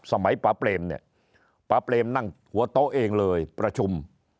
ปลาเปรมเนี่ยป๊าเปรมนั่งหัวโต๊ะเองเลยประชุม